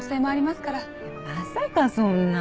まさかそんな。